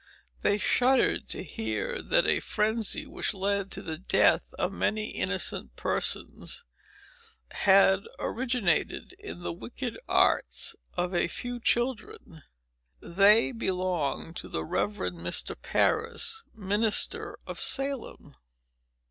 They shuddered to hear that a frenzy, which led to the death of many innocent persons, had originated in the wicked arts of a few children. They belonged to the Rev. Mr. Parris, minister of Salem.